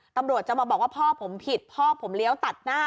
ตำรวจจะมาบอกว่าพ่อผมผิดพ่อผมเลี้ยวตัดหน้า